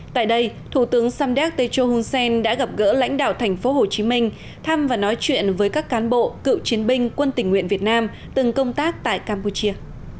tại đây thủ tướng samdet techo hunsen đã gặp gỡ lãnh đạo thành phố hồ chí minh thăm và nói chuyện với các cán bộ cựu chiến binh quân tỉnh nguyện việt nam từng công tác tại campuchia